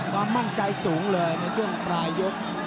ความมั่นใจสูงเลยในช่วงปลายยก